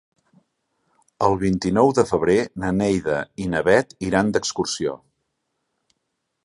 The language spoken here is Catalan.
El vint-i-nou de febrer na Neida i na Bet iran d'excursió.